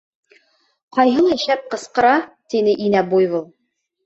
— Ҡайһылай шәп ҡысҡыра! — тине инә буйвол.